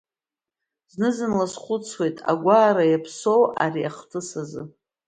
Зны зынла схәыцуеит агәаара иаԥсоу ари ахҭыс азы.